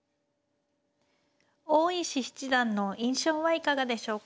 大石七段の印象はいかがでしょうか。